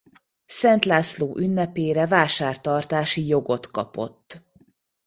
Szent László ünnepére vásártartási jogot kapott.